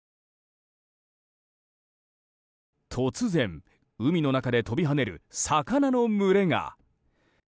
突然、海の中で飛び跳ねる魚の群れが。